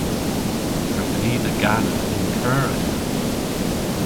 Drefen i dhe gana y'n keur ena.